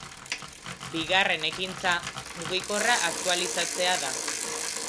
Bigarren ekintza, mugikorra aktualizatzea da.